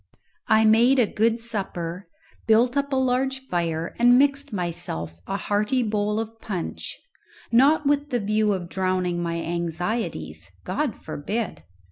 I made a good supper, built up a large fire, and mixed myself a hearty bowl of punch, not with the view of drowning my anxieties God forbid!